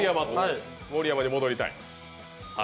盛山に戻りたい。